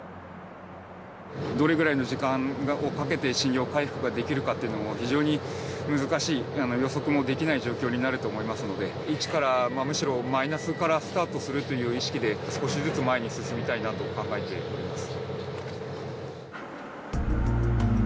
どれぐらいの時間をかけて信用回復ができるかっていうのは非常に難しい予測もできない状況になると思いますので一からむしろマイナスからスタートするという意識で少しずつ前に進みたいなと考えております。